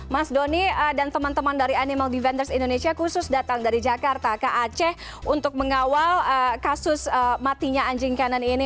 mas doni dan teman teman dari animal defenders indonesia khusus datang dari jakarta ke aceh untuk mengawal kasus matinya anjing kanan ini